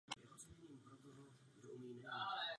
Působil jako ředitel státního gymnázia.